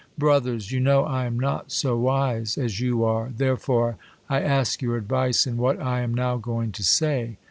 Brothers ! You know I am not so wise as you are, therefore I ask your advice in what I am now going to say.